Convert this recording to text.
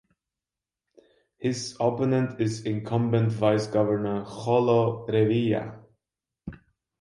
His opponent is incumbent Vice Governor Jolo Revilla.